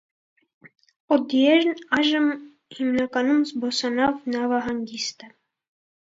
Օդիերնն այժմ հիմնականում զբոսանավ նավահանգիստ է։